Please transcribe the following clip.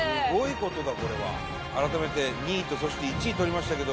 これは改めて２位とそして１位とりましたけど